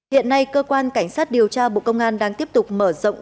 hiện nay cơ quan cảnh sát điều tra bộ công an đang tiếp tục mở rộng